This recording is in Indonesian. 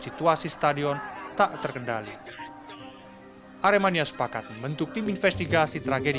situasi stadion tak terkendali aremania sepakat membentuk tim investigasi tragedi